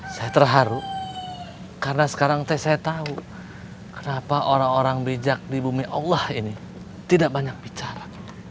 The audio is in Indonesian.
saya terharu karena sekarang teh saya tahu kenapa orang orang bijak di bumi allah ini tidak banyak bicara